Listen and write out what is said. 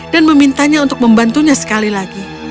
dan memintanya untuk membantunya sekali lagi